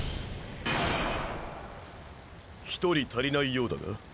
１人足りないようだが？